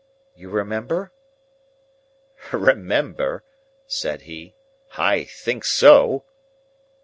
You remember?" "Remember!" said he. "I think so!"